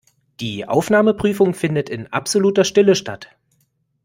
Die Aufnahmeprüfung findet in absoluter Stille statt.